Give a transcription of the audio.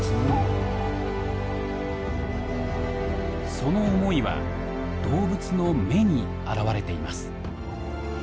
その思いは動物の「目」に表れています。